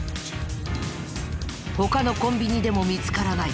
他のコンビニでも見つからない。